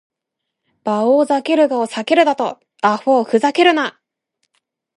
バオウ・ザケルガを避けるだと！アホウ・フザケルナ！